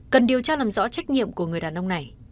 cần điều tra làm rõ trách nhiệm của người đàn ông này